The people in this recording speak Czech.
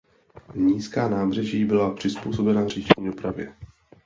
Nízká nábřeží byla přizpůsobena říční dopravě.